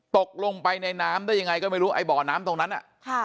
ตกลงไปในน้ำได้ยังไงก็ไม่รู้ไอ้บ่อน้ำตรงนั้นอ่ะค่ะ